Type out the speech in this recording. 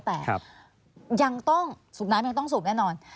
แต่ยังต้องสูบน้ำยังต้องสูบแน่นอน